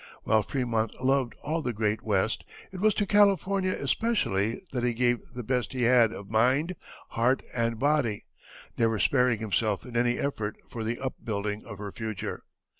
While Frémont loved all the great West, it was to California especially that he gave the best he had of mind, heart, and body, never sparing himself in any effort for the upbuilding of her future.